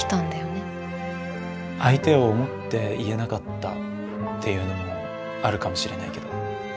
相手を思って言えなかったっていうのもあるかもしれないけど。